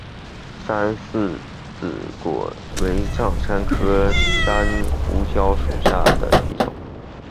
山柿子果为樟科山胡椒属下的一个种。